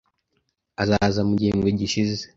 Azaza mu gihembwe gishize.